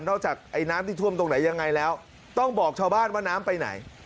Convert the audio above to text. จากไอ้น้ำที่ท่วมตรงไหนยังไงแล้วต้องบอกชาวบ้านว่าน้ำไปไหน